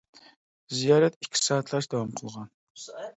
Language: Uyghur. زىيارەت ئىككى سائەتلەرچە داۋام قىلغان .